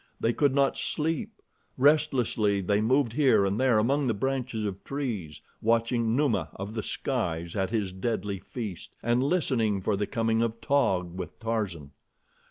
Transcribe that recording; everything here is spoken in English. They could not sleep. Restlessly they moved here and there among the branches of trees, watching Numa of the skies at his deadly feast, and listening for the coming of Taug with Tarzan.